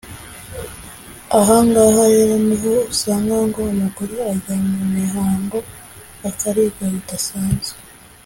Ahangaha rero niho usanga ngo umugore ajya mu mihango akaribwa bidasanzwe